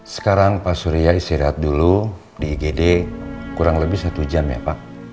sekarang pak surya istirahat dulu di igd kurang lebih satu jam ya pak